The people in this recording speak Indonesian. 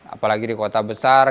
apalagi di kota besar